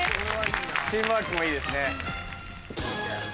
チームワークもいいですね。